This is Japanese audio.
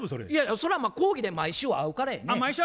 それは講義で毎週会うからやね。